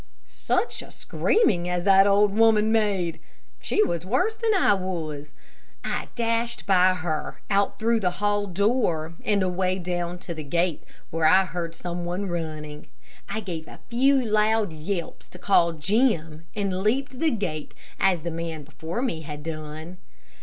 Such a screaming as that old woman made! She was worse than I was. I dashed by her, out through the hall door, and away down to the gate, where I heard some one running. I gave a few loud yelps to call Jim, and leaped the gate as the man before me had done.